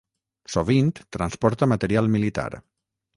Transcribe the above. Sovint transporta material militar.